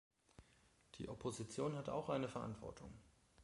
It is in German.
Die Opposition hat auch eine Verantwortung.